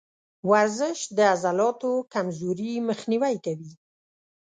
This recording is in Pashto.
ورزش د عضلاتو کمزوري مخنیوی کوي.